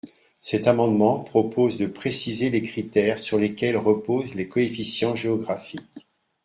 Cet amendement propose de préciser les critères sur lesquels reposent les coefficients géographiques.